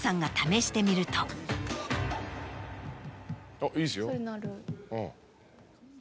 あっいいですよ。